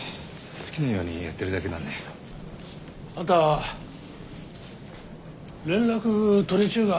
好きなようにやってるだけなんで。あんた連絡取れちゅうが？